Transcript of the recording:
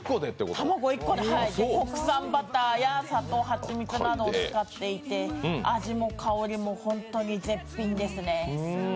国産バターや砂糖、蜂蜜などを使っていて味も香りも本当に絶品ですね。